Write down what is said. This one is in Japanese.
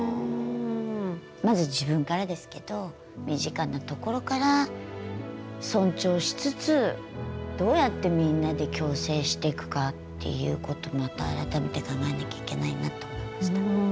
まず自分からですけど身近なところから尊重しつつどうやってみんなで共生していくかっていうことをまた改めて考えなきゃいけないなと思いました。